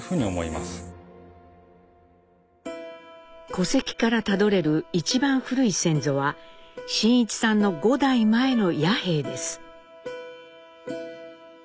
戸籍からたどれる一番古い先祖は真一さんの５代前の弥平です。